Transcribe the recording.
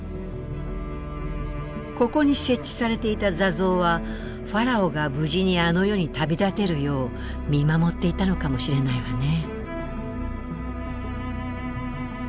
ここに設置されていた座像はファラオが無事にあの世に旅立てるよう見守っていたのかもしれないわね。